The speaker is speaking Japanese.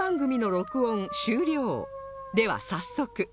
では早速